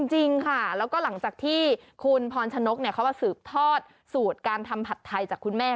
จริงค่ะแล้วก็หลังจากที่คุณพรชนกเขามาสืบทอดสูตรการทำผัดไทยจากคุณแม่